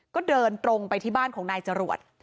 ก็เดินตรงไปที่บ้านของนายจรวด